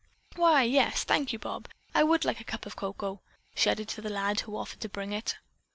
Why, yes, thank you, Bob, I would like a cup of cocoa," she added to the lad who offered to bring it.